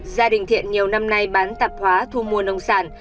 gia đình thiện nhiều năm nay bán tạp hóa thu mua nông sản